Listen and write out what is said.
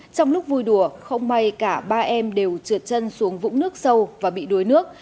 trong lúc vui đùa không may cả ba em đều trượt chân xuống vũng nước sâu và bị đuối nước